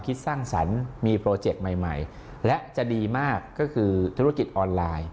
คิดสร้างสรรค์มีโปรเจกต์ใหม่และจะดีมากก็คือธุรกิจออนไลน์